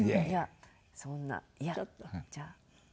そんないやじゃあ。